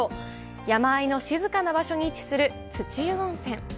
山あいの静かな場所に位置する土湯温泉。